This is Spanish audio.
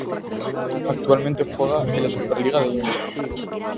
Actualmente juega en la Superliga de India.